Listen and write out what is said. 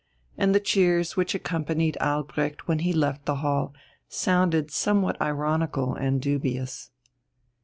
And the cheers which accompanied Albrecht when he left the hall sounded somewhat ironical and dubious.